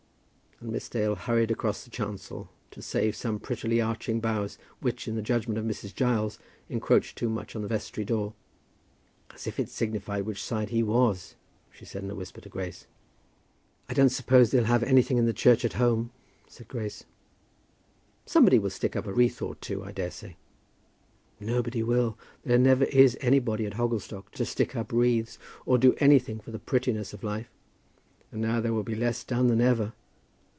And Miss Dale hurried across the chancel to save some prettily arching boughs, which, in the judgment of Mrs. Giles, encroached too much on the vestry door. "As if it signified which side he was," she said in a whisper to Grace. "I don't suppose they'll have anything in the church at home," said Grace. "Somebody will stick up a wreath or two, I daresay." "Nobody will. There never is anybody at Hogglestock to stick up wreaths, or to do anything for the prettinesses of life. And now there will be less done than ever.